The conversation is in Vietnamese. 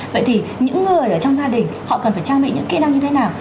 vậy thì những người ở trong gia đình họ cần phải trang bị những kỹ năng như thế nào